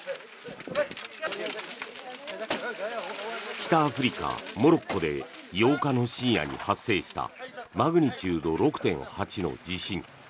北アフリカ・モロッコで８日の深夜に発生したマグニチュード６．８の地震。